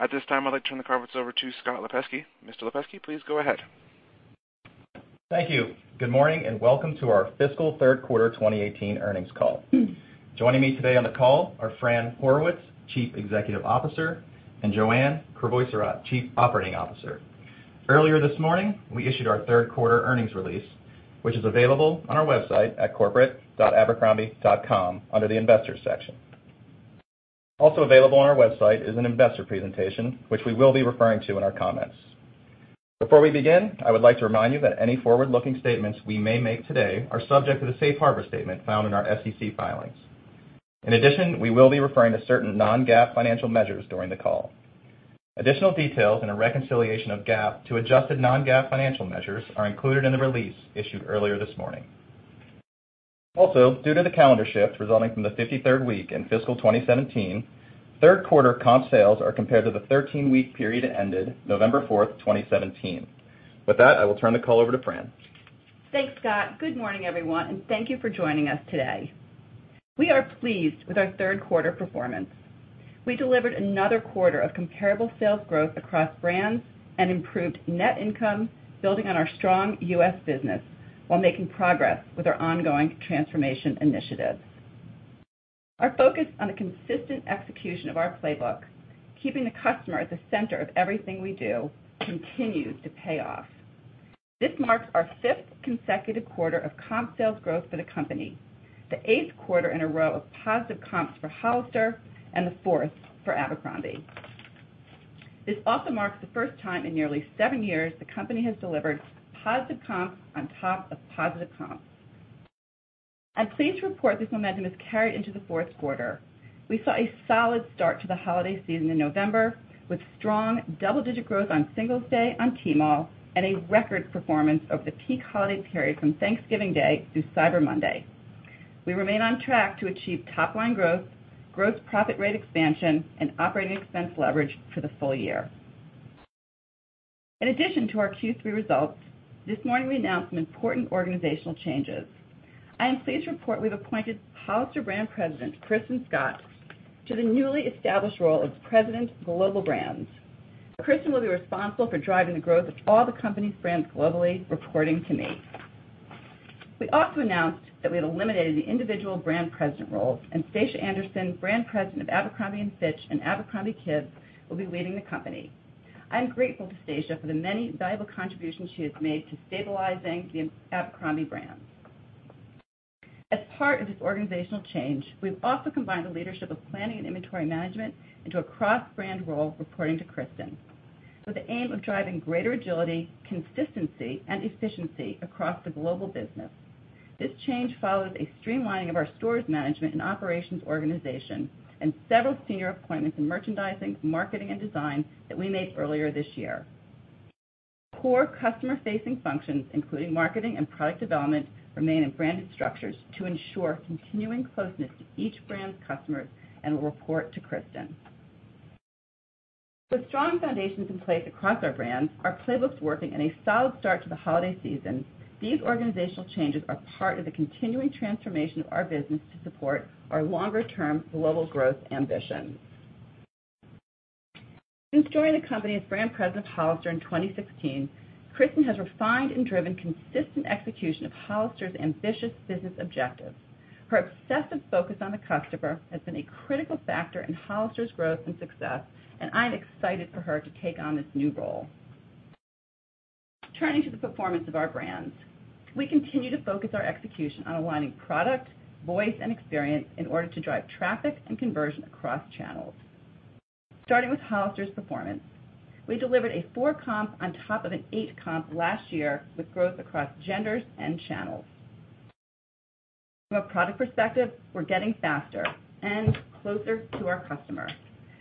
At this time, I'd like to turn the conference over to Scott Lipesky. Mr. Lipesky, please go ahead. Thank you. Good morning, welcome to our Fiscal Third Quarter 2018 Earnings Call. Joining me today on the call are Fran Horowitz, Chief Executive Officer, and Joanne Crevoiserat, Chief Operating Officer. Earlier this morning, we issued our third quarter earnings release, which is available on our website at corporate.abercrombie.com under the investor section. Also available on our website is an investor presentation, which we will be referring to in our comments. Before we begin, I would like to remind you that any forward-looking statements we may make today are subject to the safe harbor statement found in our SEC filings. In addition, we will be referring to certain non-GAAP financial measures during the call. Additional details and a reconciliation of GAAP to adjusted non-GAAP financial measures are included in the release issued earlier this morning. Due to the calendar shift resulting from the 53rd week in fiscal 2017, third quarter comp sales are compared to the 13-week period that ended November fourth, 2017. With that, I will turn the call over to Fran. Thanks, Scott. Good morning, everyone, thank you for joining us today. We are pleased with our third quarter performance. We delivered another quarter of comparable sales growth across brands and improved net income building on our strong U.S. business while making progress with our ongoing transformation initiatives. Our focus on the consistent execution of our playbook, keeping the customer at the center of everything we do, continues to pay off. This marks our fifth consecutive quarter of comp sales growth for the company, the eighth quarter in a row of positive comps for Hollister, and the fourth for Abercrombie. This also marks the first time in nearly seven years the company has delivered positive comps on top of positive comps. I'm pleased to report this momentum has carried into the fourth quarter. We saw a solid start to the holiday season in November, with strong double-digit growth on Singles' Day on Tmall and a record performance over the peak holiday period from Thanksgiving Day through Cyber Monday. We remain on track to achieve top-line growth, gross profit rate expansion, and operating expense leverage for the full year. In addition to our Q3 results, this morning we announced some important organizational changes. I am pleased to report we've appointed Hollister brand president, Kristin Scott, to the newly established role as President, Global Brands. Kristin will be responsible for driving the growth of all the company's brands globally, reporting to me. We also announced that we have eliminated the individual brand president roles, and Stacia Andersen, brand president of Abercrombie & Fitch and abercrombie kids, will be leaving the company. I'm grateful to Stacia Andersen for the many valuable contributions she has made to stabilizing the Abercrombie brand. As part of this organizational change, we've also combined the leadership of planning and inventory management into a cross-brand role reporting to Kristin Scott with the aim of driving greater agility, consistency, and efficiency across the global business. This change follows a streamlining of our stores management and operations organization and several senior appointments in merchandising, marketing, and design that we made earlier this year. Core customer-facing functions, including marketing and product development, remain in branded structures to ensure continuing closeness to each brand's customers and will report to Kristin Scott. With strong foundations in place across our brands, our playbook's working, and a solid start to the holiday season, these organizational changes are part of the continuing transformation of our business to support our longer-term global growth ambitions. Since joining the company as brand president of Hollister in 2016, Kristin Scott has refined and driven consistent execution of Hollister's ambitious business objectives. Her obsessive focus on the customer has been a critical factor in Hollister's growth and success, and I'm excited for her to take on this new role. Turning to the performance of our brands, we continue to focus our execution on aligning product, voice, and experience in order to drive traffic and conversion across channels. Starting with Hollister's performance, we delivered a four comp on top of an eight comp last year with growth across genders and channels. From a product perspective, we're getting faster and closer to our customer,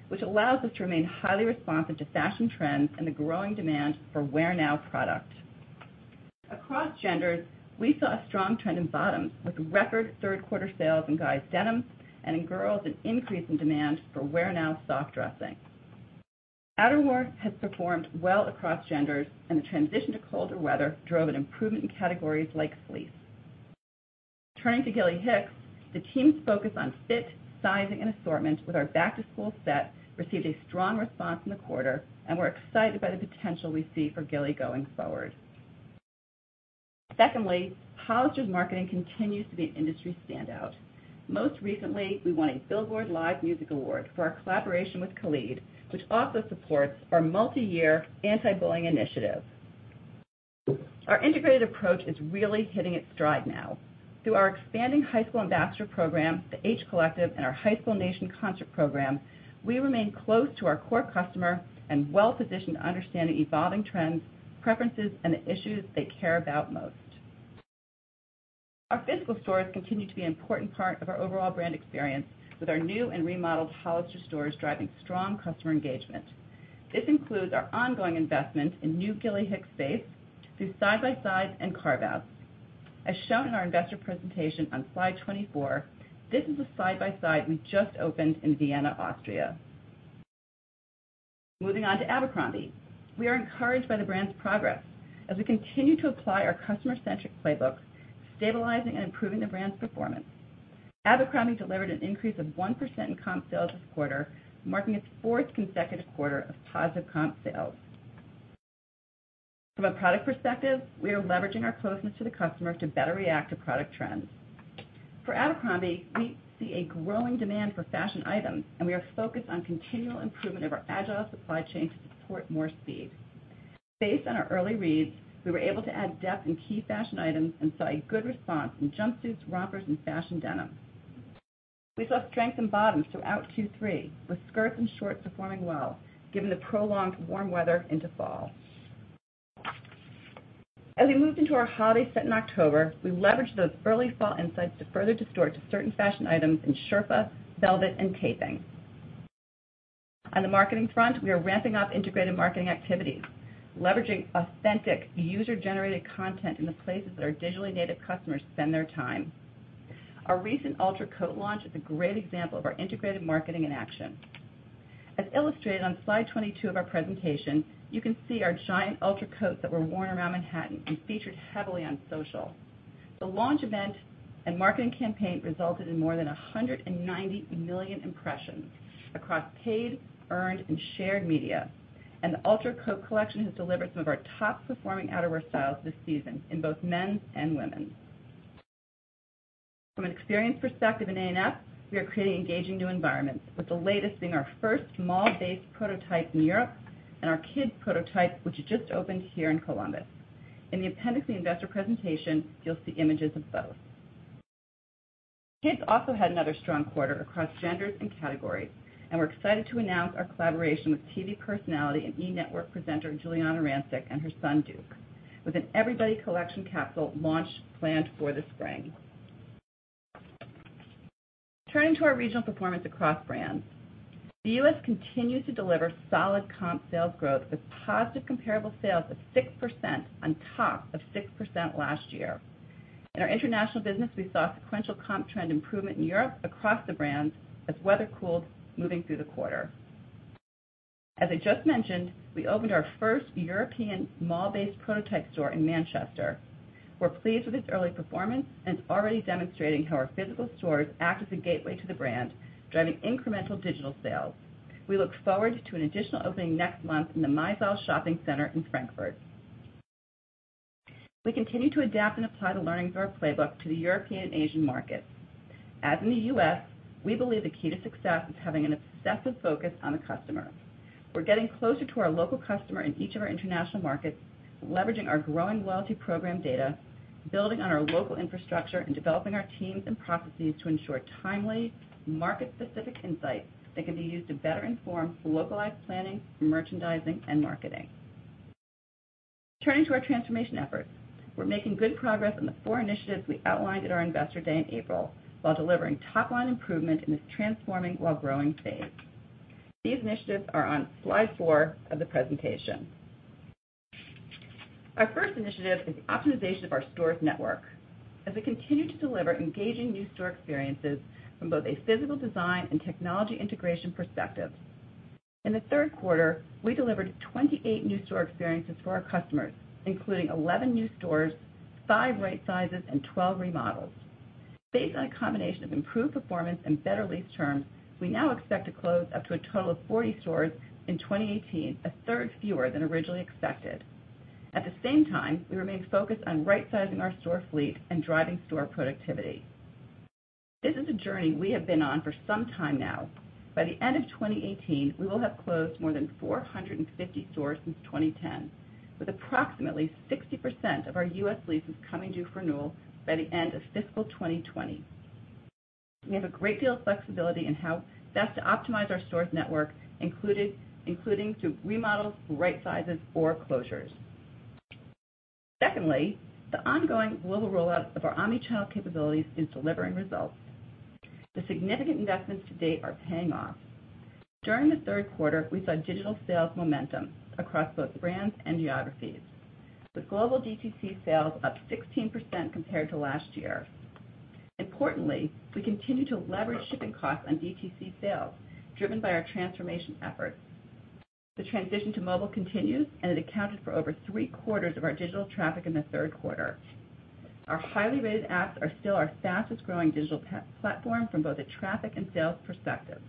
which allows us to remain highly responsive to fashion trends and the growing demand for wear-now product. Across genders, we saw a strong trend in bottoms with record third-quarter sales in guys' denim and in girls', an increase in demand for wear-now soft dressing. Outerwear has performed well across genders, and the transition to colder weather drove an improvement in categories like fleece. Turning to Gilly Hicks, the team's focus on fit, sizing, and assortment with our back-to-school set received a strong response in the quarter, and we're excited by the potential we see for Gilly Hicks going forward. Secondly, Hollister's marketing continues to be an industry standout. Most recently, we won a Billboard Live Music Award for our collaboration with Khalid, which also supports our multi-year anti-bullying initiative. Our integrated approach is really hitting its stride now. Through our expanding high school ambassador program, the H Collective, and our High School Nation concert program, we remain close to our core customer and well-positioned to understand the evolving trends, preferences, and the issues they care about most. Our physical stores continue to be an important part of our overall brand experience with our new and remodeled Hollister stores driving strong customer engagement. This includes our ongoing investment in new Gilly Hicks space through side by sides and carve-outs. As shown in our investor presentation on slide 24, this is a side by side we just opened in Vienna, Austria. Moving on to Abercrombie. We are encouraged by the brand's progress as we continue to apply our customer-centric playbook, stabilizing and improving the brand's performance. Abercrombie delivered an increase of 1% in comp sales this quarter, marking its fourth consecutive quarter of positive comp sales. From a product perspective, we are leveraging our closeness to the customer to better react to product trends. For Abercrombie, we see a growing demand for fashion items, and we are focused on continual improvement of our agile supply chain to support more speed. Based on our early reads, we were able to add depth in key fashion items and saw a good response in jumpsuits, rompers, and fashion denim. We saw strength in bottoms throughout Q3, with skirts and shorts performing well, given the prolonged warm weather into fall. As we moved into our holiday set in October, we leveraged those early fall insights to further distort certain fashion items in sherpa, velvet, and taping. On the marketing front, we are ramping up integrated marketing activities, leveraging authentic user-generated content in the places that our digitally native customers spend their time. Our recent Ultra coat launch is a great example of our integrated marketing in action. As illustrated on slide 22 of our presentation, you can see our giant Ultra coats that were worn around Manhattan and featured heavily on social. The launch event and marketing campaign resulted in more than 190 million impressions across paid, earned, and shared media. The Ultra coat collection has delivered some of our top-performing outerwear styles this season in both men's and women's. From an experience perspective in A&F, we are creating engaging new environments, with the latest being our first mall-based prototype in Europe and our Kids prototype, which just opened here in Columbus. In the appendix of the investor presentation, you'll see images of both. Kids also had another strong quarter across genders and categories, and we're excited to announce our collaboration with TV personality and E! Network presenter Giuliana Rancic and her son, Duke, with an Everybody Collection capsule launch planned for the spring. Turning to our regional performance across brands. The U.S. continues to deliver solid comp sales growth with positive comparable sales of 6% on top of 6% last year. In our international business, we saw sequential comp trend improvement in Europe across the brands as weather cooled moving through the quarter. As I just mentioned, we opened our first European mall-based prototype store in Manchester. We're pleased with its early performance and it's already demonstrating how our physical stores act as a gateway to the brand, driving incremental digital sales. We look forward to an additional opening next month in the MyZeil Shopping Center in Frankfurt. We continue to adapt and apply the learnings of our playbook to the European and Asian markets. In the U.S., we believe the key to success is having an obsessive focus on the customer. We're getting closer to our local customer in each of our international markets, leveraging our growing loyalty program data, building on our local infrastructure, and developing our teams and processes to ensure timely, market-specific insights that can be used to better inform localized planning and merchandising and marketing. Turning to our transformation efforts. We're making good progress on the four initiatives we outlined at our Investor Day in April while delivering top-line improvement in this transforming while growing phase. These initiatives are on slide four of the presentation. Our first initiative is the optimization of our stores network as we continue to deliver engaging new store experiences from both a physical design and technology integration perspective. In the third quarter, we delivered 28 new store experiences for our customers, including 11 new stores, five right sizes, and 12 remodels. Based on a combination of improved performance and better lease terms, we now expect to close up to a total of 40 stores in 2018, a third fewer than originally expected. At the same time, we remain focused on right-sizing our store fleet and driving store productivity. This is a journey we have been on for some time now. By the end of 2018, we will have closed more than 450 stores since 2010, with approximately 60% of our U.S. leases coming due for renewal by the end of fiscal 2020. We have a great deal of flexibility in how best to optimize our stores network, including through remodels, right sizes, or closures. Secondly, the ongoing global rollout of our omni-channel capabilities is delivering results. The significant investments to date are paying off. During the third quarter, we saw digital sales momentum across both brands and geographies, with global DTC sales up 16% compared to last year. Importantly, we continue to leverage shipping costs on DTC sales, driven by our transformation efforts. The transition to mobile continues, and it accounted for over three-quarters of our digital traffic in the third quarter. Our highly rated apps are still our fastest-growing digital platform from both a traffic and sales perspective.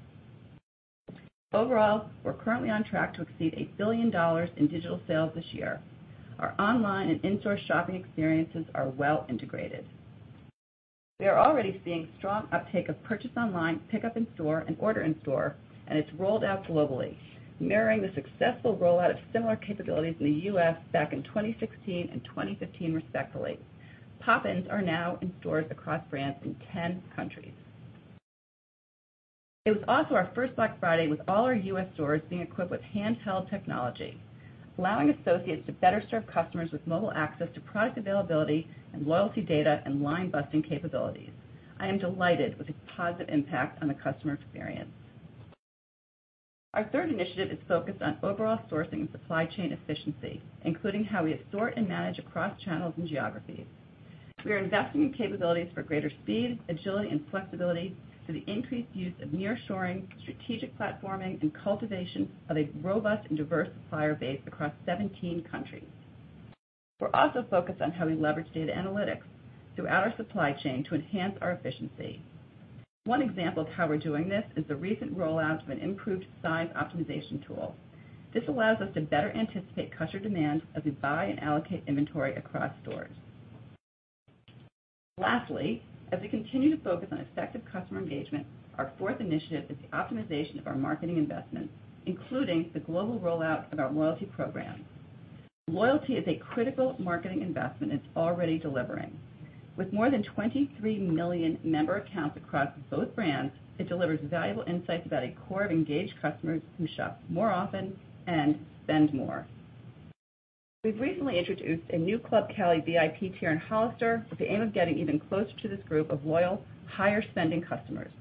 Overall, we're currently on track to exceed $1 billion in digital sales this year. Our online and in-store shopping experiences are well integrated. We are already seeing strong uptake of purchase online, pickup in store, and order in store, and it's rolled out globally, mirroring the successful rollout of similar capabilities in the U.S. back in 2016 and 2015, respectively. Pop-ins are now in stores across brands in 10 countries. It was also our first Black Friday with all our U.S. stores being equipped with handheld technology, allowing associates to better serve customers with mobile access to product availability and loyalty data and line-busting capabilities. I am delighted with its positive impact on the customer experience. Our third initiative is focused on overall sourcing and supply chain efficiency, including how we assort and manage across channels and geographies. We are investing in capabilities for greater speed, agility, and flexibility through the increased use of near-shoring, strategic platforming, and cultivation of a robust and diverse supplier base across 17 countries. We're also focused on how we leverage data analytics throughout our supply chain to enhance our efficiency. One example of how we're doing this is the recent rollout of an improved size optimization tool. This allows us to better anticipate customer demand as we buy and allocate inventory across stores. Lastly, as we continue to focus on effective customer engagement, our fourth initiative is the optimization of our marketing investments, including the global rollout of our loyalty program. Loyalty is a critical marketing investment that's already delivering. With more than 23 million member accounts across both brands, it delivers valuable insights about a core of engaged customers who shop more often and spend more. We've recently introduced a new Club Cali VIP tier in Hollister with the aim of getting even closer to this group of loyal, higher-spending customers.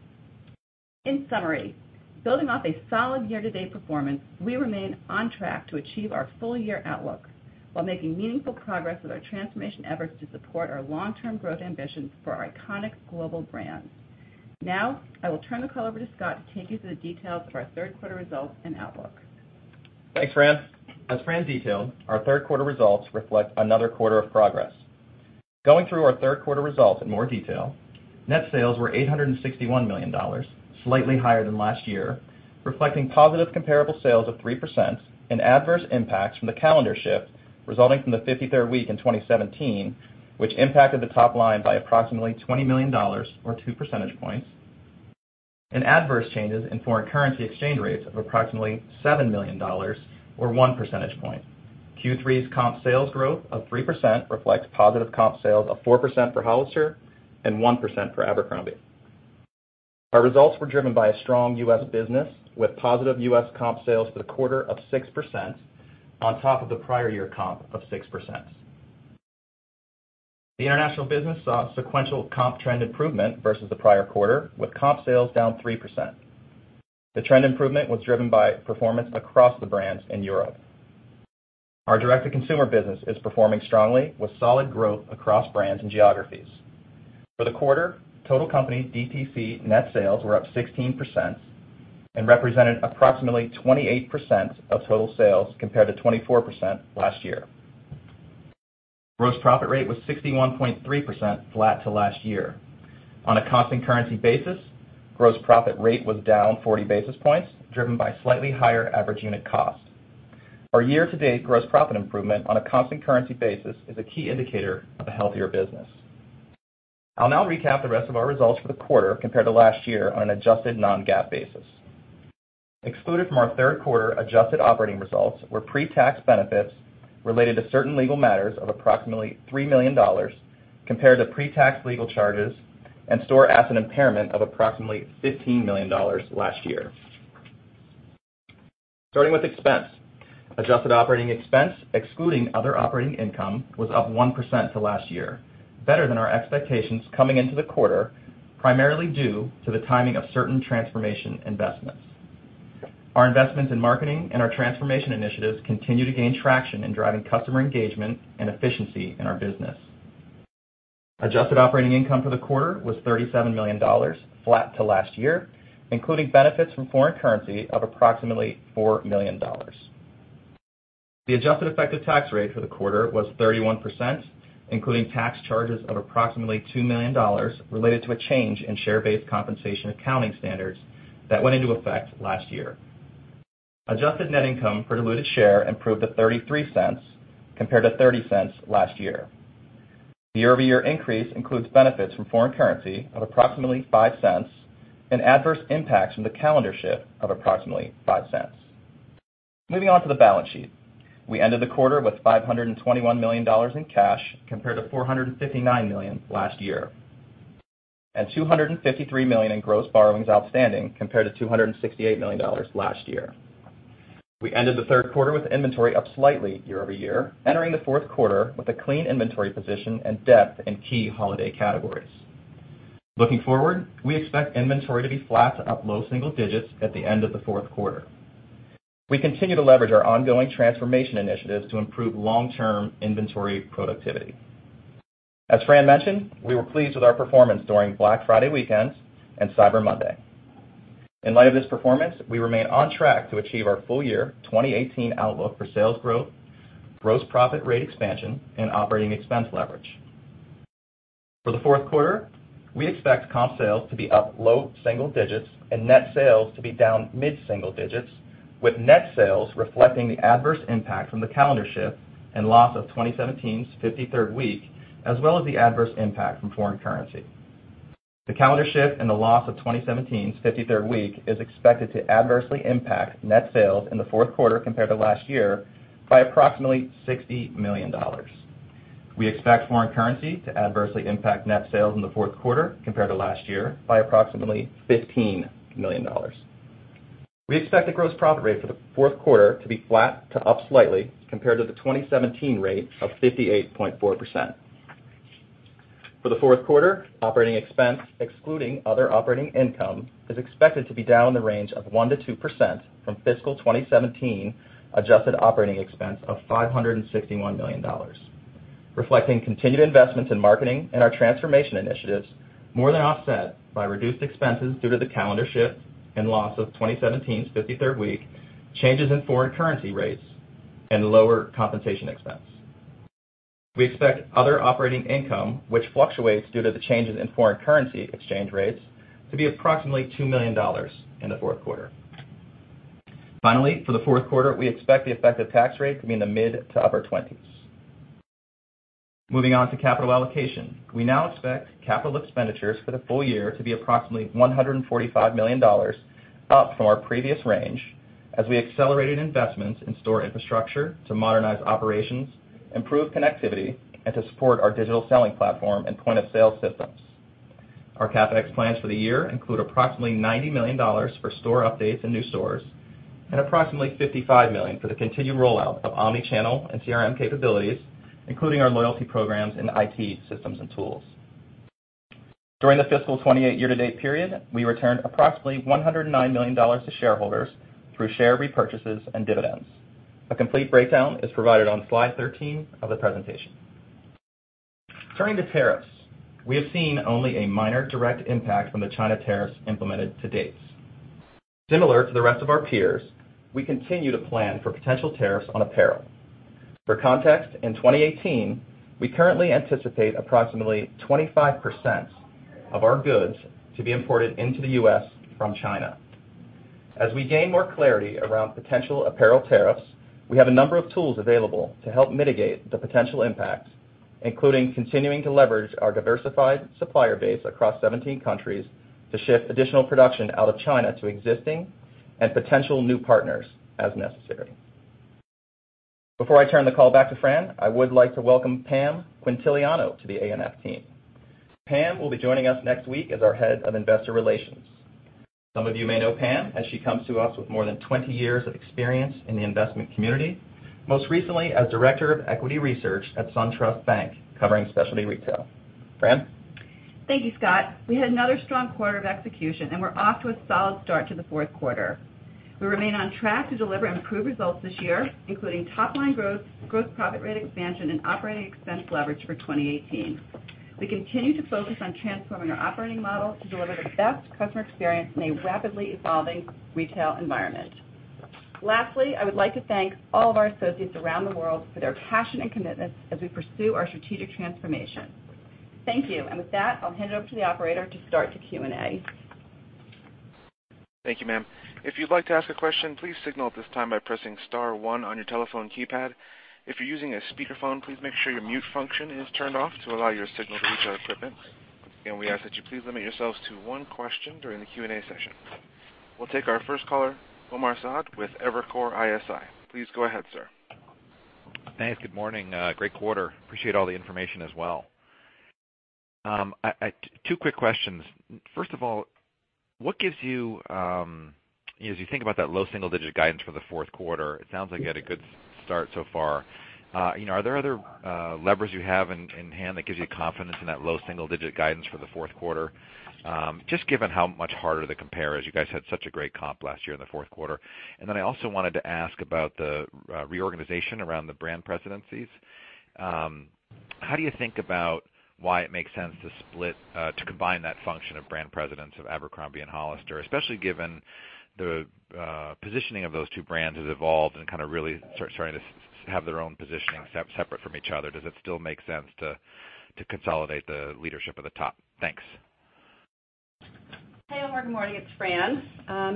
In summary, building off a solid year-to-date performance, we remain on track to achieve our full-year outlook while making meaningful progress with our transformation efforts to support our long-term growth ambitions for our iconic global brands. I will turn the call over to Scott to take you through the details of our third quarter results and outlook. Thanks, Fran. As Fran detailed, our third quarter results reflect another quarter of progress. Going through our third quarter results in more detail, net sales were $861 million, slightly higher than last year, reflecting positive comparable sales of 3% and adverse impacts from the calendar shift resulting from the 53rd week in 2017, which impacted the top line by approximately $20 million, or two percentage points, and adverse changes in foreign currency exchange rates of approximately $7 million, or one percentage point. Q3's comp sales growth of 3% reflects positive comp sales of 4% for Hollister and 1% for Abercrombie. Our results were driven by a strong U.S. business, with positive U.S. comp sales for the quarter of 6% on top of the prior year comp of 6%. The international business saw sequential comp trend improvement versus the prior quarter, with comp sales down 3%. The trend improvement was driven by performance across the brands in Europe. Our direct-to-consumer business is performing strongly, with solid growth across brands and geographies. For the quarter, total company DTC net sales were up 16% and represented approximately 28% of total sales, compared to 24% last year. Gross profit rate was 61.3%, flat to last year. On a constant currency basis, gross profit rate was down 40 basis points, driven by slightly higher average unit costs. Our year-to-date gross profit improvement on a constant currency basis is a key indicator of a healthier business. I'll now recap the rest of our results for the quarter compared to last year on an adjusted non-GAAP basis. Excluded from our third quarter adjusted operating results were pre-tax benefits related to certain legal matters of approximately $3 million, compared to pre-tax legal charges and store asset impairment of approximately $15 million last year. Starting with expense. Adjusted operating expense, excluding other operating income, was up 1% to last year, better than our expectations coming into the quarter, primarily due to the timing of certain transformation investments. Our investments in marketing and our transformation initiatives continue to gain traction in driving customer engagement and efficiency in our business. Adjusted operating income for the quarter was $37 million, flat to last year, including benefits from foreign currency of approximately $4 million. The adjusted effective tax rate for the quarter was 31%, including tax charges of approximately $2 million related to a change in share-based compensation accounting standards that went into effect last year. Adjusted net income per diluted share improved to $0.33, compared to $0.30 last year. The year-over-year increase includes benefits from foreign currency of approximately $0.05 and adverse impacts from the calendar shift of approximately $0.05. Moving on to the balance sheet. We ended the quarter with $521 million in cash, compared to $459 million last year, and $253 million in gross borrowings outstanding, compared to $268 million last year. We ended the third quarter with inventory up slightly year-over-year, entering the fourth quarter with a clean inventory position and depth in key holiday categories. Looking forward, we expect inventory to be flat to up low single digits at the end of the fourth quarter. We continue to leverage our ongoing transformation initiatives to improve long-term inventory productivity. As Fran mentioned, we were pleased with our performance during Black Friday weekends and Cyber Monday. In light of this performance, we remain on track to achieve our full year 2018 outlook for sales growth, gross profit rate expansion and operating expense leverage. For the fourth quarter, we expect comp sales to be up low single digits and net sales to be down mid-single digits, with net sales reflecting the adverse impact from the calendar shift and loss of 2017's 53rd week, as well as the adverse impact from foreign currency. The calendar shift and the loss of 2017's 53rd week is expected to adversely impact net sales in the fourth quarter compared to last year by approximately $60 million. We expect foreign currency to adversely impact net sales in the fourth quarter compared to last year by approximately $15 million. We expect the gross profit rate for the fourth quarter to be flat to up slightly compared to the 2017 rate of 58.4%. For the fourth quarter, operating expense, excluding other operating income, is expected to be down in the range of 1%-2% from fiscal 2017 adjusted operating expense of $561 million. Reflecting continued investments in marketing and our transformation initiatives, more than offset by reduced expenses due to the calendar shift and loss of 2017's 53rd week, changes in foreign currency rates, and lower compensation expense. We expect other operating income, which fluctuates due to the changes in foreign currency exchange rates, to be approximately $2 million in the fourth quarter. Finally, for the fourth quarter, we expect the effective tax rate to be in the mid to upper 20s. Moving on to capital allocation. We now expect capital expenditures for the full year to be approximately $145 million, up from our previous range, as we accelerated investments in store infrastructure to modernize operations, improve connectivity, and to support our digital selling platform and point-of-sale systems. Our CapEx plans for the year include approximately $90 million for store updates and new stores, and approximately $55 million for the continued rollout of omnichannel and CRM capabilities, including our loyalty programs and IT systems and tools. During the fiscal 2018 year-to-date period, we returned approximately $109 million to shareholders through share repurchases and dividends. A complete breakdown is provided on slide 13 of the presentation. Turning to tariffs. We have seen only a minor direct impact from the China tariffs implemented to date. Similar to the rest of our peers, we continue to plan for potential tariffs on apparel. For context, in 2018, we currently anticipate approximately 25% of our goods to be imported into the U.S. from China. As we gain more clarity around potential apparel tariffs, we have a number of tools available to help mitigate the potential impacts, including continuing to leverage our diversified supplier base across 17 countries to shift additional production out of China to existing and potential new partners as necessary. Before I turn the call back to Fran, I would like to welcome Pamela Quintiliano to the ANF team. Pam will be joining us next week as our Head of Investor Relations. Some of you may know Pam as she comes to us with more than 20 years of experience in the investment community, most recently as Director of Equity Research at SunTrust Bank, covering specialty retail. Fran. Thank you, Scott. We had another strong quarter of execution, and we're off to a solid start to the fourth quarter. We remain on track to deliver improved results this year, including top-line growth, gross profit rate expansion, and operating expense leverage for 2018. We continue to focus on transforming our operating model to deliver the best customer experience in a rapidly evolving retail environment. Lastly, I would like to thank all of our associates around the world for their passion and commitment as we pursue our strategic transformation. Thank you. With that, I'll hand it over to the operator to start the Q&A. Thank you, ma'am. If you'd like to ask a question, please signal at this time by pressing star one on your telephone keypad. If you're using a speakerphone, please make sure your mute function is turned off to allow your signal to reach our equipment. We ask that you please limit yourselves to one question during the Q&A session. We'll take our first caller, Omar Saad with Evercore ISI. Please go ahead, sir. Thanks. Good morning. Great quarter. Appreciate all the information as well. Two quick questions. First of all, as you think about that low double-digit guidance for the fourth quarter, it sounds like you had a good start so far. Are there other levers you have in hand that gives you confidence in that low double-digit guidance for the fourth quarter, just given how much harder the compare is? You guys had such a great comp last year in the fourth quarter. I also wanted to ask about the reorganization around the brand presidencies. How do you think about why it makes sense to combine that function of brand presidents of Abercrombie and Hollister, especially given the positioning of those two brands has evolved and really starting to have their own positioning separate from each other. Does it still make sense to consolidate the leadership at the top? Thanks. Hey, Omar. Good morning. It's Fran.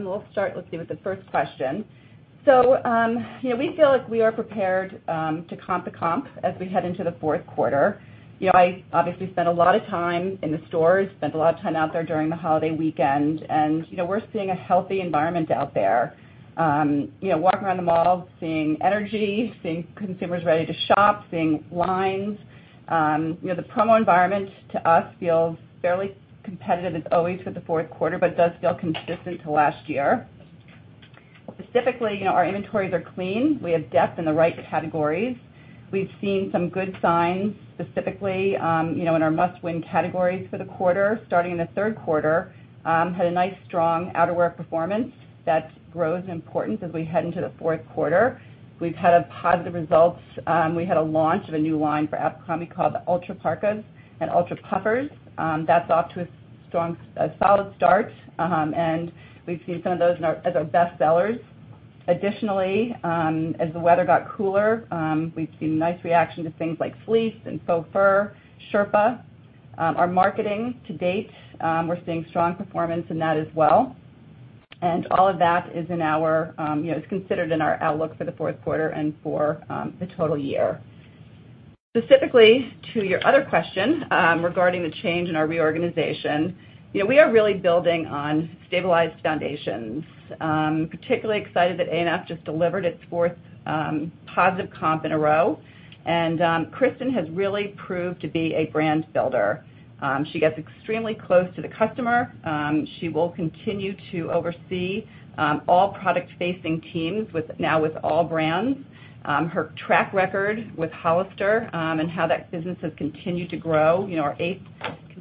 We'll start with the first question. We feel like we are prepared to comp the comp as we head into the fourth quarter. I obviously spend a lot of time in the stores, spend a lot of time out there during the holiday weekend. We're seeing a healthy environment out there. Walking around the mall, seeing energy, seeing consumers ready to shop, seeing lines. The promo environment to us feels fairly competitive, as always for the fourth quarter, but does feel consistent to last year. Specifically, our inventories are clean. We have depth in the right categories. We've seen some good signs, specifically in our must-win categories for the quarter, starting in the third quarter. Had a nice, strong outerwear performance. That grows in importance as we head into the fourth quarter. We've had positive results. We had a launch of a new line for Abercrombie called the Ultra Parka and Ultra Puffer. That's off to a solid start. We've seen some of those as our best sellers. Additionally, as the weather got cooler, we've seen nice reaction to things like fleece and faux fur, sherpa. Our marketing to date, we're seeing strong performance in that as well. All of that is considered in our outlook for the fourth quarter and for the total year. Specifically, to your other question regarding the change in our reorganization. We are really building on stabilized foundations. Particularly excited that ANF just delivered its fourth positive comp in a row. Kristin has really proved to be a brand builder. She gets extremely close to the customer. She will continue to oversee all product-facing teams now with all brands. Her track record with Hollister and how that business has continued to grow, our eighth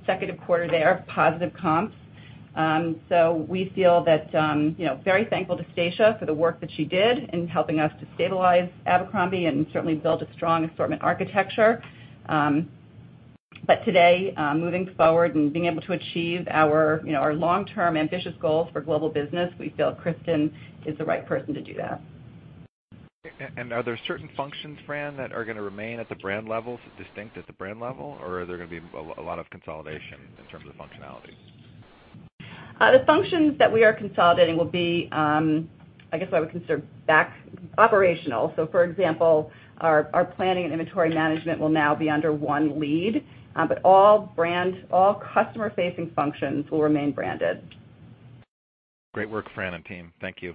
consecutive quarter there of positive comps We feel very thankful to Stacia for the work that she did in helping us to stabilize Abercrombie and certainly build a strong assortment architecture. Today, moving forward and being able to achieve our long-term ambitious goals for global business, we feel Kristin is the right person to do that. Are there certain functions, Fran, that are going to remain at the brand level, distinct at the brand level, or are there going to be a lot of consolidation in terms of functionality? The functions that we are consolidating will be, I guess, what we consider back operational. For example, our planning and inventory management will now be under one lead. All customer-facing functions will remain branded. Great work, Fran and team. Thank you.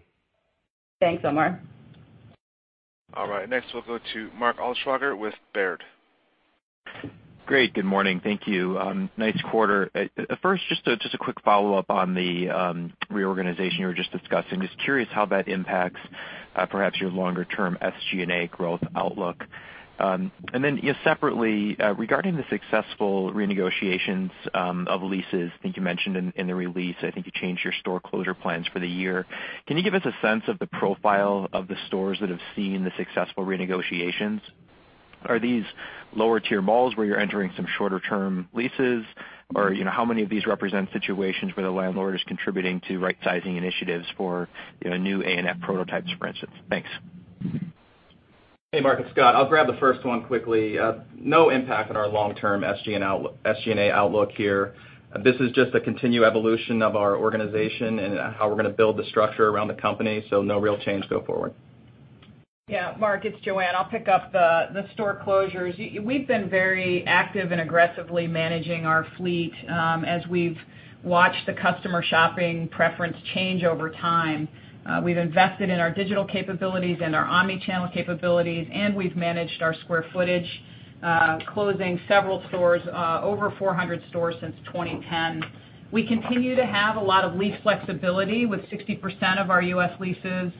Thanks, Omar. All right. Next, we'll go to Mark Altschwager with Baird. Great. Good morning. Thank you. Nice quarter. First, just a quick follow-up on the reorganization you were just discussing. Just curious how that impacts perhaps your longer-term SG&A growth outlook. Separately, regarding the successful renegotiations of leases, I think you mentioned in the release, I think you changed your store closure plans for the year. Can you give us a sense of the profile of the stores that have seen the successful renegotiations? Are these lower-tier malls where you're entering some shorter-term leases? How many of these represent situations where the landlord is contributing to rightsizing initiatives for new ANF prototypes, for instance? Thanks. Hey, Mark, it's Scott. I'll grab the first one quickly. No impact on our long-term SG&A outlook here. This is just a continued evolution of our organization and how we're going to build the structure around the company. No real change go forward. Mark, it's Joanne. I'll pick up the store closures. We've been very active in aggressively managing our fleet as we've watched the customer shopping preference change over time. We've invested in our digital capabilities and our omni-channel capabilities. We've managed our square footage, closing several stores, over 400 stores since 2010. We continue to have a lot of lease flexibility with 60% of our U.S. leases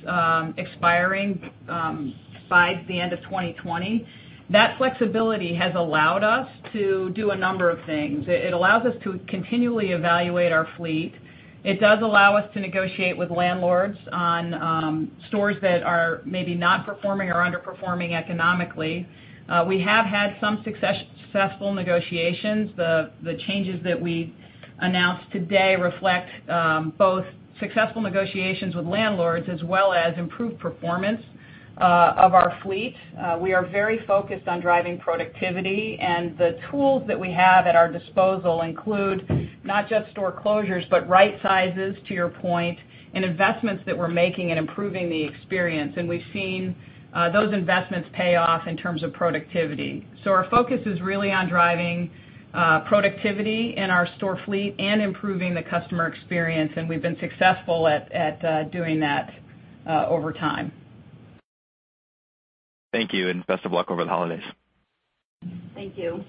expiring by the end of 2020. That flexibility has allowed us to do a number of things. It allows us to continually evaluate our fleet. It does allow us to negotiate with landlords on stores that are maybe not performing or underperforming economically. We have had some successful negotiations. The changes that we announced today reflect both successful negotiations with landlords as well as improved performance of our fleet. We are very focused on driving productivity. The tools that we have at our disposal include not just store closures, but right sizes, to your point, and investments that we're making in improving the experience. We've seen those investments pay off in terms of productivity. Our focus is really on driving productivity in our store fleet and improving the customer experience. We've been successful at doing that over time. Thank you. Best of luck over the holidays. Thank you.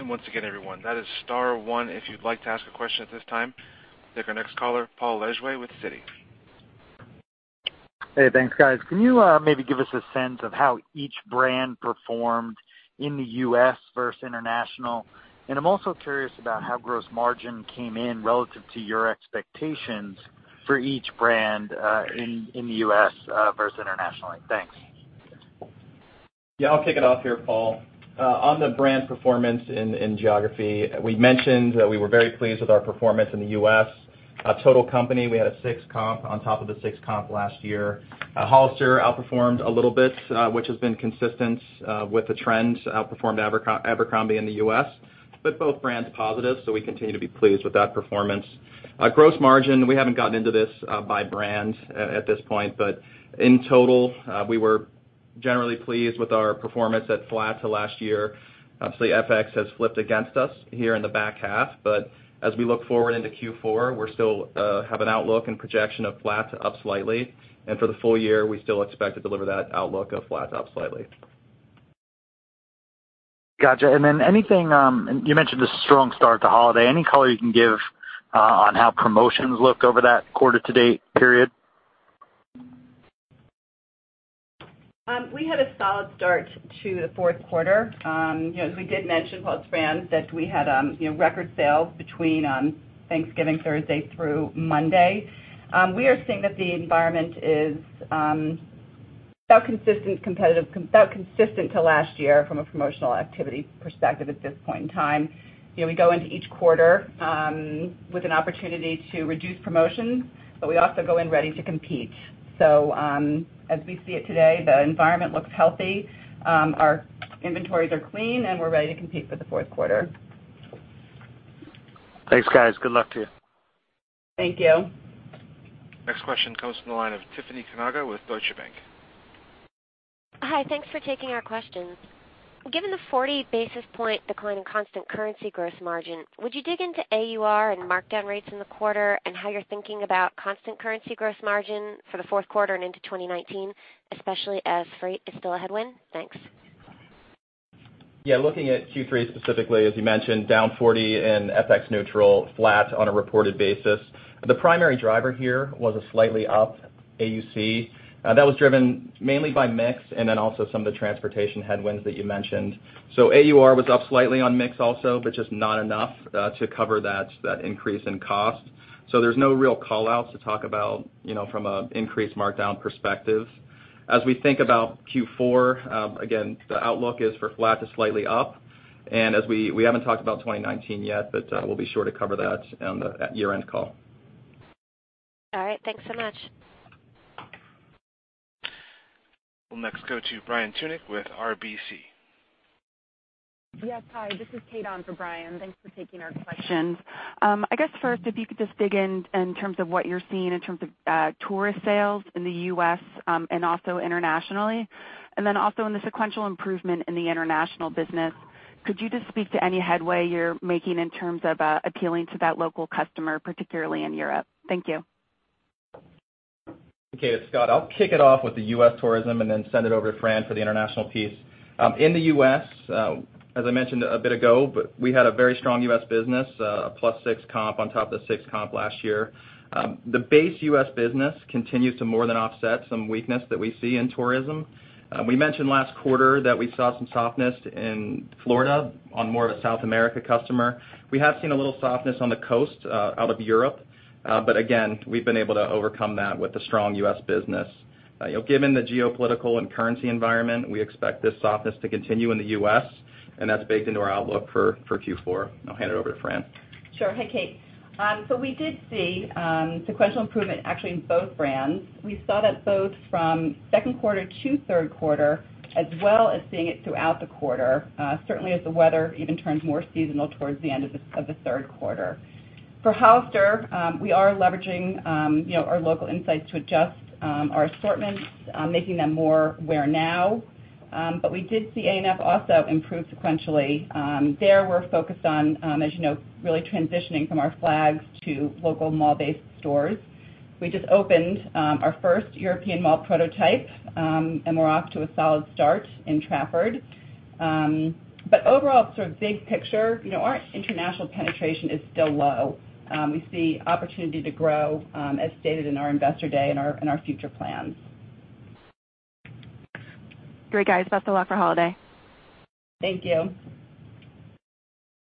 Once again, everyone, that is star one if you'd like to ask a question at this time. Take our next caller, Paul Lejuez with Citi. Hey, thanks, guys. Can you maybe give us a sense of how each brand performed in the U.S. versus international? I'm also curious about how gross margin came in relative to your expectations for each brand in the U.S. versus internationally. Thanks. Yeah, I'll kick it off here, Paul. On the brand performance in geography, we mentioned that we were very pleased with our performance in the U.S. Total company, we had a six comp on top of the six comp last year. Hollister outperformed a little bit, which has been consistent with the trend, outperformed Abercrombie in the U.S. Both brands positive, so we continue to be pleased with that performance. Gross margin, we haven't gotten into this by brand at this point, but in total, we were generally pleased with our performance at flat to last year. Obviously, FX has flipped against us here in the back half, but as we look forward into Q4, we still have an outlook and projection of flat to up slightly. For the full year, we still expect to deliver that outlook of flat to up slightly. Got you. You mentioned a strong start to holiday. Any color you can give on how promotions look over that quarter-to-date period? We had a solid start to the fourth quarter. As we did mention, Paul, it's Fran, that we had record sales between Thanksgiving Thursday through Monday. We are seeing that the environment is about consistent to last year from a promotional activity perspective at this point in time. We go into each quarter with an opportunity to reduce promotions, but we also go in ready to compete. As we see it today, the environment looks healthy. Our inventories are clean, and we're ready to compete for the fourth quarter. Thanks, guys. Good luck to you. Thank you. Next question comes from the line of Tiffany Tasnady with Deutsche Bank. Hi. Thanks for taking our questions. Given the 40 basis points decline in constant currency gross margin, would you dig into AUR and markdown rates in the quarter and how you're thinking about constant currency gross margin for the fourth quarter and into 2019, especially as freight is still a headwind? Thanks. Yeah. Looking at Q3 specifically, as you mentioned, down 40 in FX neutral, flat on a reported basis. The primary driver here was a slightly up AUC. That was driven mainly by mix and then also some of the transportation headwinds that you mentioned. AUR was up slightly on mix also, but just not enough to cover that increase in cost. So there's no real call-outs to talk about from an increased markdown perspective. As we think about Q4, again, the outlook is for flat to slightly up. We haven't talked about 2019 yet, but we'll be sure to cover that on the year-end call. All right. Thanks so much. We'll next go to Brian Tunick with RBC. Yes. Hi, this is Kate on for Brian. Thanks for taking our questions. First, if you could just dig in in terms of what you're seeing in terms of tourist sales in the U.S., and also internationally. Also on the sequential improvement in the international business, could you just speak to any headway you're making in terms of appealing to that local customer, particularly in Europe? Thank you. Kate, it's Scott. I'll kick it off with the U.S. tourism and then send it over to Fran for the international piece. In the U.S., as I mentioned a bit ago, we had a very strong U.S. business, a plus six comp on top of the six comp last year. The base U.S. business continues to more than offset some weakness that we see in tourism. We mentioned last quarter that we saw some softness in Florida on more of a South America customer. We have seen a little softness on the coast out of Europe. Again, we've been able to overcome that with the strong U.S. business. Given the geopolitical and currency environment, we expect this softness to continue in the U.S., and that's baked into our outlook for Q4. I'll hand it over to Fran. Sure. Hey, Kate. We did see sequential improvement actually in both brands. We saw that both from 2nd quarter to 3rd quarter, as well as seeing it throughout the quarter, certainly as the weather even turns more seasonal towards the end of the 3rd quarter. For Hollister, we are leveraging our local insights to adjust our assortments, making them more wear now. We did see ANF also improve sequentially. There, we're focused on, as you know, really transitioning from our flags to local mall-based stores. We just opened our first European mall prototype, and we're off to a solid start in Trafford. Overall, sort of big picture, our international penetration is still low. We see opportunity to grow as stated in our Investor Day and our future plans. Great, guys. Best of luck for holiday. Thank you.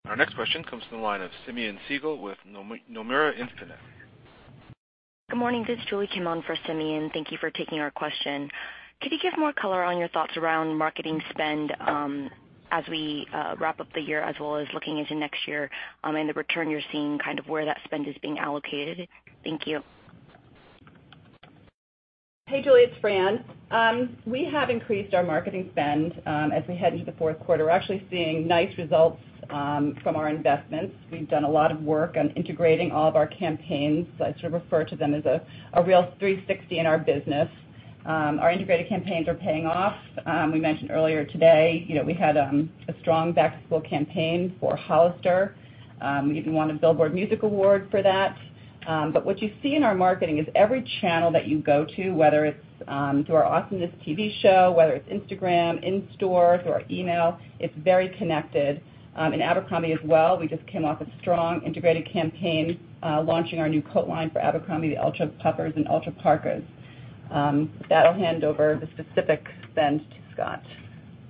Our next question comes from the line of Simeon Siegel with Nomura Instinet. Good morning. This is Julie Kim on for Simeon. Thank you for taking our question. Could you give more color on your thoughts around marketing spend as we wrap up the year as well as looking into next year and the return you're seeing kind of where that spend is being allocated? Thank you. Hey, Julie, it's Fran. We have increased our marketing spend as we head into the fourth quarter. We're actually seeing nice results from our investments. We've done a lot of work on integrating all of our campaigns. I sort of refer to them as a real 360 in our business. Our integrated campaigns are paying off. We mentioned earlier today, we had a strong back-to-school campaign for Hollister. We even won a Billboard Music Award for that. What you see in our marketing is every channel that you go to, whether it's through our AwesomenessTV show, whether it's Instagram, in store, through our email, it's very connected. In Abercrombie as well, we just came off a strong integrated campaign launching our new coat line for Abercrombie, the Ultra Puffers and Ultra Parkas. That'll hand over the specific spend to Scott.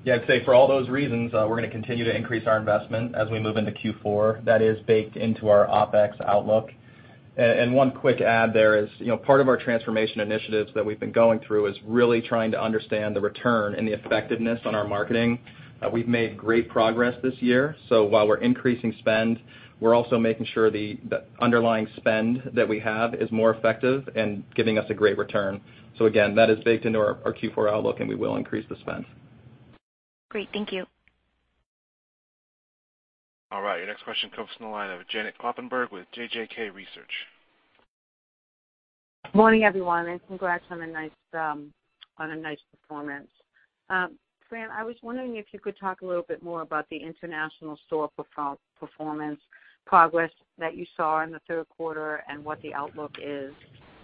Yeah. I'd say for all those reasons, we're gonna continue to increase our investment as we move into Q4. That is baked into our OpEx outlook. One quick add there is part of our transformation initiatives that we've been going through is really trying to understand the return and the effectiveness on our marketing. We've made great progress this year, while we're increasing spend, we're also making sure the underlying spend that we have is more effective and giving us a great return. Again, that is baked into our Q4 outlook, and we will increase the spend. Great. Thank you. All right. Your next question comes from the line of Janet Kloppenburg with JJK Research. Morning, everyone, and congrats on a nice performance. Fran, I was wondering if you could talk a little bit more about the international store performance progress that you saw in the third quarter and what the outlook is.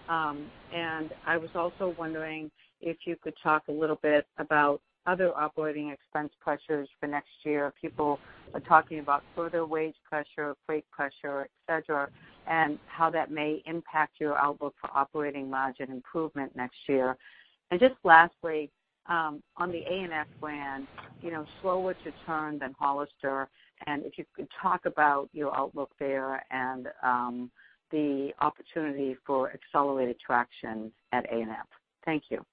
I was also wondering if you could talk a little bit about other operating expense pressures for next year. People are talking about further wage pressure, freight pressure, et cetera, and how that may impact your outlook for operating margin improvement next year. Just lastly, on the ANF brand, slower to turn than Hollister, if you could talk about your outlook there and the opportunity for accelerated traction at ANF. Thank you.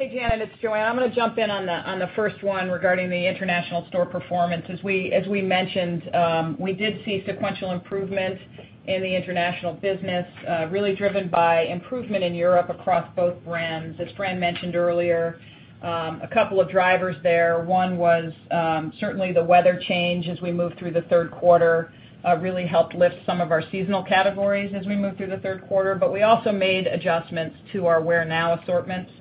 Hey, Janet, it's Joanne. I'm gonna jump in on the first one regarding the international store performance. As we mentioned, we did see sequential improvements in the international business, really driven by improvement in Europe across both brands. As Fran mentioned earlier, a couple of drivers there. One was certainly the weather change as we moved through the third quarter really helped lift some of our seasonal categories as we moved through the third quarter, but we also made adjustments to our wear now assortments,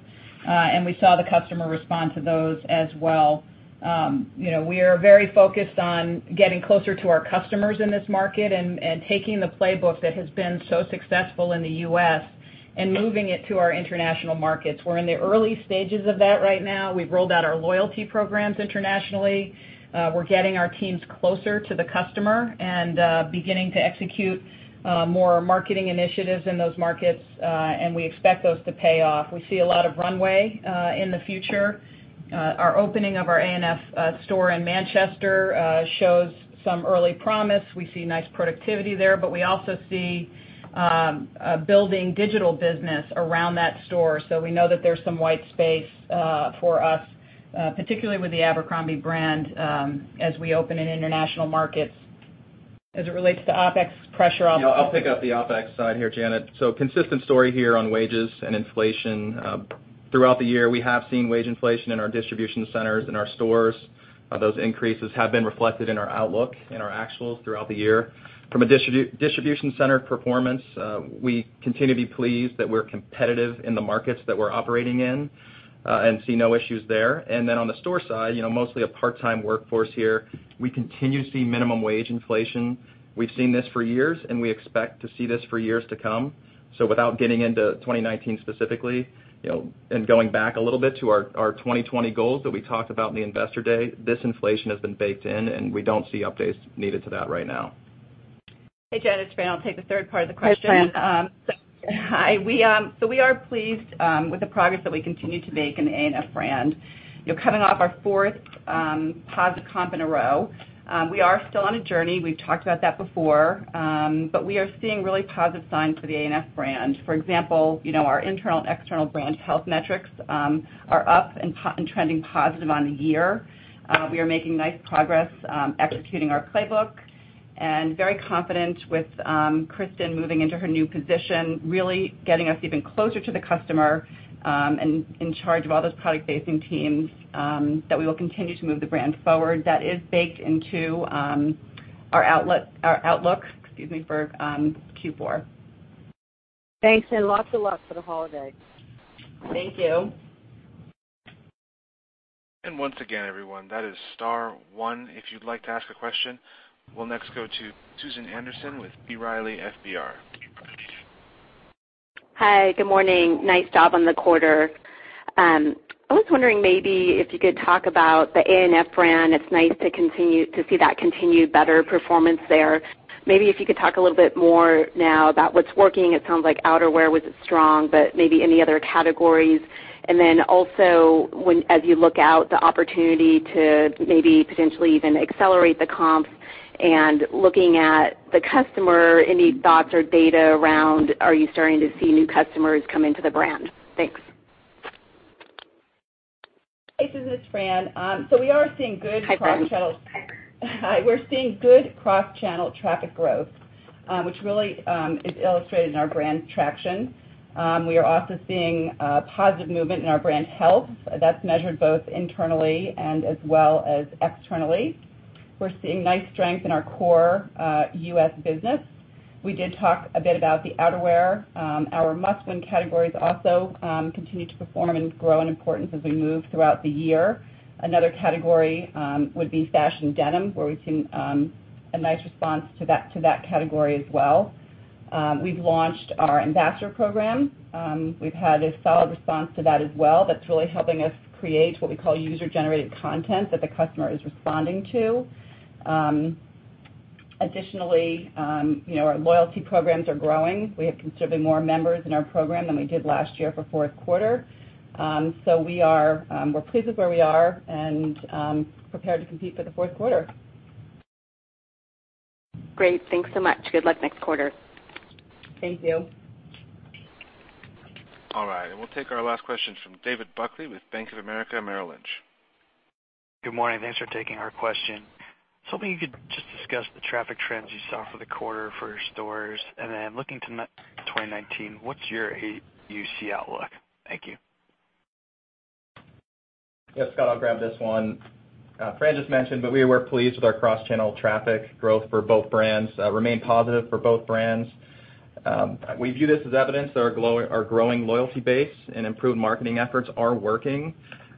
and we saw the customer respond to those as well. We are very focused on getting closer to our customers in this market and taking the playbook that has been so successful in the U.S. and moving it to our international markets. We're in the early stages of that right now. We've rolled out our loyalty programs internationally. We're getting our teams closer to the customer and beginning to execute more marketing initiatives in those markets. We expect those to pay off. We see a lot of runway in the future. Our opening of our ANF store in Manchester shows some early promise. We see nice productivity there, but we also see building digital business around that store. We know that there's some white space for us, particularly with the Abercrombie brand, as we open in international markets. As it relates to OpEx pressure- I'll pick up the OpEx side here, Janet. Consistent story here on wages and inflation. Throughout the year, we have seen wage inflation in our distribution centers and our stores. Those increases have been reflected in our outlook, in our actuals throughout the year. From a distribution center performance, we continue to be pleased that we're competitive in the markets that we're operating in, and see no issues there. On the store side, mostly a part-time workforce here. We continue to see minimum wage inflation. We've seen this for years, and we expect to see this for years to come. Without getting into 2019 specifically, and going back a little bit to our 2020 goals that we talked about in the Investor Day, this inflation has been baked in, and we don't see updates needed to that right now. Hey, Janet, it's Fran. I'll take the third part of the question. Hi, Fran. Hi. We are pleased with the progress that we continue to make in the A&F brand. Coming off our fourth positive comp in a row, we are still on a journey. We've talked about that before. We are seeing really positive signs for the A&F brand. For example, our internal and external brand health metrics are up and trending positive on the year. We are making nice progress executing our playbook. Very confident with Kristin moving into her new position, really getting us even closer to the customer, and in charge of all those product-facing teams, that we will continue to move the brand forward. That is baked into our outlook for Q4. Thanks, lots of luck for the holiday. Thank you. Once again everyone, that is star one if you'd like to ask a question. We'll next go to Susan Anderson with B. Riley FBR. Hi, good morning. Nice job on the quarter. I was wondering maybe if you could talk about the A&F brand. It's nice to see that continued better performance there. Maybe if you could talk a little bit more now about what's working. It sounds like outerwear was strong, but maybe any other categories. Then also, as you look out the opportunity to maybe potentially even accelerate the comps and looking at the customer, any thoughts or data around are you starting to see new customers come into the brand? Thanks. Hey, Susan, it's Fran. We are seeing good- Hi, Fran. Hi. We're seeing good cross-channel traffic growth, which really is illustrated in our brand traction. We are also seeing a positive movement in our brand health. That's measured both internally and as well as externally. We're seeing nice strength in our core U.S. business. We did talk a bit about the outerwear. Our must-win categories also continue to perform and grow in importance as we move throughout the year. Another category would be fashion denim, where we've seen a nice response to that category as well. We've launched our ambassador program. We've had a solid response to that as well. That's really helping us create what we call user-generated content that the customer is responding to. Additionally, our loyalty programs are growing. We have considerably more members in our program than we did last year for fourth quarter. We're pleased with where we are, and prepared to compete for the fourth quarter. Great. Thanks so much. Good luck next quarter. Thank you. All right. We'll take our last question from David Buckley with Bank of America Merrill Lynch. Good morning. Thanks for taking our question. Just hoping you could just discuss the traffic trends you saw for the quarter for stores. Looking to 2019, what's your AUC outlook? Thank you. Yes, Scott, I'll grab this one. Fran just mentioned, but we were pleased with our cross-channel traffic growth for both brands, remained positive for both brands. We view this as evidence that our growing loyalty base and improved marketing efforts are working.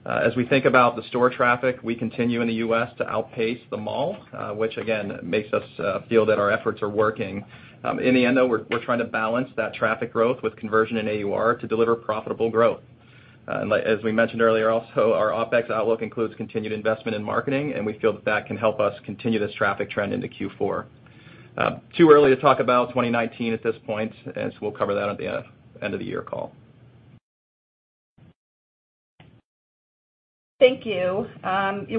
As we think about the store traffic, we continue in the U.S. to outpace the mall, which again, makes us feel that our efforts are working. In the end, though, we're trying to balance that traffic growth with conversion and AUR to deliver profitable growth. As we mentioned earlier also, our OpEx outlook includes continued investment in marketing, and we feel that that can help us continue this traffic trend into Q4. Too early to talk about 2019 at this point, as we'll cover that at the end of the year call. Thank you.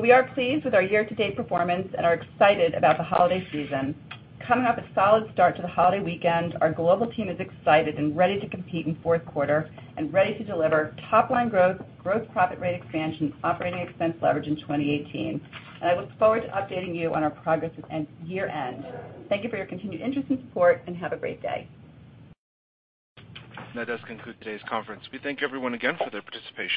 We are pleased with our year-to-date performance and are excited about the holiday season. Coming off a solid start to the holiday weekend, our global team is excited and ready to compete in fourth quarter and ready to deliver top-line growth, gross profit rate expansion, operating expense leverage in 2018. I look forward to updating you on our progress at year-end. Thank you for your continued interest and support. Have a great day. That does conclude today's conference. We thank everyone again for their participation.